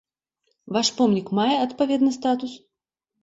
Ваш помнік мае адпаведны статус?